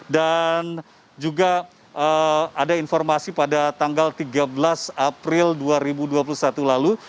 dan juga ada informasi pada tanggal tiga belas april dua ribu dua puluh satu lalu